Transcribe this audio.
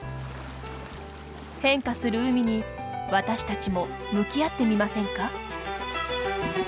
変化する海に私たちも向き合ってみませんか？